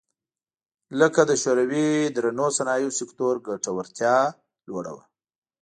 لکه د شوروي درنو صنایعو سکتور ګټورتیا لوړه وه